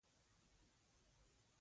د حکومتونو څېره یې نه پیدا کړه.